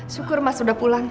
syukur mas sudah pulang